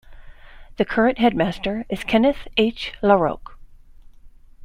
The current headmaster is Kenneth H. LaRocque.